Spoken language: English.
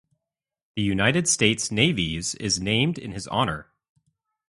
The United States Navy's is named in his honor.